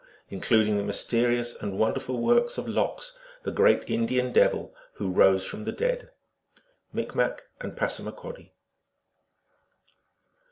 Including the Mysterious and Wonderful Works of Lox, the Great Indian Devil, who rose from the Dead. (Micmac and Passamaquoddy.)